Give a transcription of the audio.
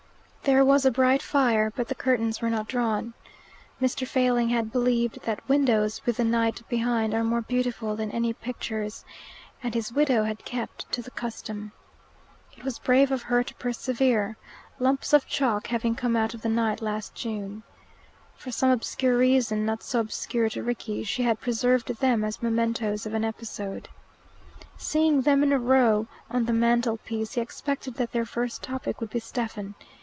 There was a bright fire, but the curtains were not drawn. Mr. Failing had believed that windows with the night behind are more beautiful than any pictures, and his widow had kept to the custom. It was brave of her to persevere, lumps of chalk having come out of the night last June. For some obscure reason not so obscure to Rickie she had preserved them as mementoes of an episode. Seeing them in a row on the mantelpiece, he expected that their first topic would be Stephen.